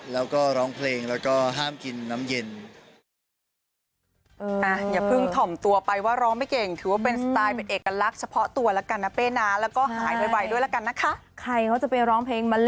แล้วก็ร้องเพลงแล้วก็ห้ามกินน้ำเย็น